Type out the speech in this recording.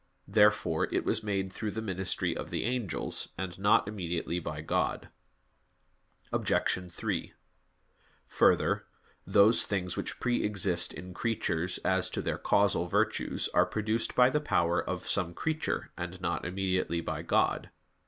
Therefore it was made through the ministry of the angels, and not immediately by God. Obj. 3: Further, those things which pre exist in creatures as to their causal virtues are produced by the power of some creature, and not immediately by God.